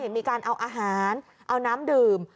มีการเอาอาหารเอาน้ำดื่ม